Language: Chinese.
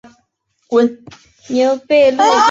牛背鹭坚体吸虫为棘口科坚体属的动物。